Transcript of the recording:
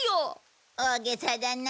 大げさだな。